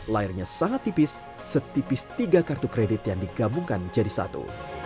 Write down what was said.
layarnya sangat tipis setipis tiga kartu kredit yang digabungkan menjadi satu